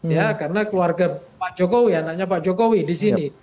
ya karena keluarga pak jokowi anaknya pak jokowi di sini